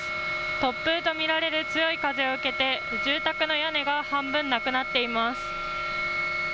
突風と見られる強い風を受けて住宅の屋根が半分なくなっています。